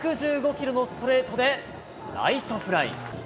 １１５キロのストレートでライトフライ。